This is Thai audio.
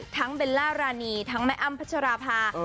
เบลล่ารานีทั้งแม่อ้ำพัชราภา